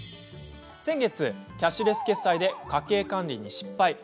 先月、キャッシュレス決済で家計管理に失敗。